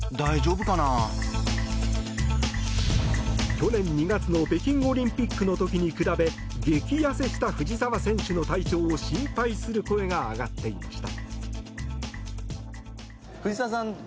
去年２月の北京オリンピックの時に比べ激痩せした藤澤選手の体調を心配する声が上がっていました。